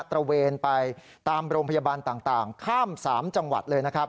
ระเวนไปตามโรงพยาบาลต่างข้าม๓จังหวัดเลยนะครับ